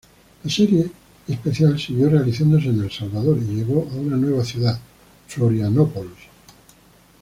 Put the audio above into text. La serie especial siguió realizándose en Salvador y llegó a una nueva ciudad, Florianópolis.